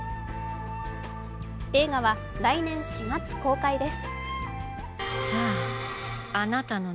映画は来年４月公開です。